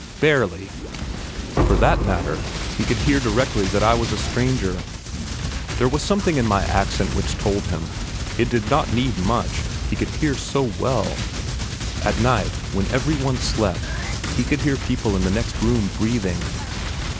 "Barely." For that matter, he could hear directly that I was a stranger. There was something in my accent which told him. It did not need much; he could hear so well. At night, when every one slept, he could hear people in the next room breathing....